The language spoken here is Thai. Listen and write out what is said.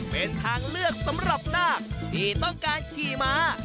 เป็นทางเลือกสำหรับนาคที่ต้องการขี่ม้า